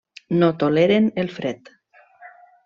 No toleren el fred.